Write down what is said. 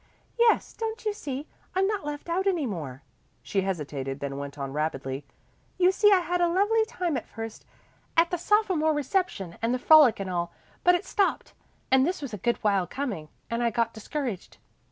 "Yes. Don't you see? I'm not left out any more." She hesitated, then went on rapidly. "You see I had a lovely time at first, at the sophomore reception and the frolic and all, but it stopped and this was a good while coming, and I got discouraged.